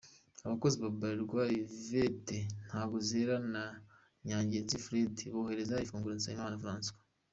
Abakozi ba Bralirwa Yvette Ntagozera na Nyangezi Fredy bahereza imfunguzo Nsabimana Francois.